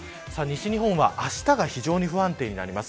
西日本は、あしたが非常に不安定になります。